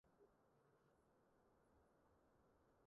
水龍頭在漏水